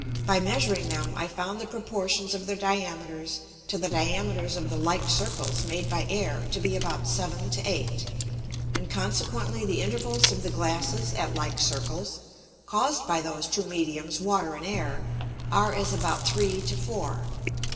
By measuring them I found the Proportions of their Diameters to the Diameters of the like Circles made by Air to be about seven to eight, and consequently the Intervals of the Glasses at like Circles, caused by those two Mediums Water and Air, are as about three to four.